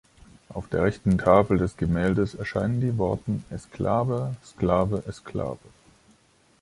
Auf der rechten Tafel des Gemäldes erscheinen die Worte „Esklave, Sklave, Esklave“.